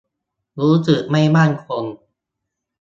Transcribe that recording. รู้สึกไม่มั่นคง